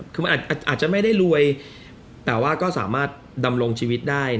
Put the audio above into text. คือมันอาจจะไม่ได้รวยแต่ว่าก็สามารถดำรงชีวิตได้